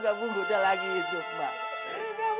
gak pernah gak pernah gitu maaf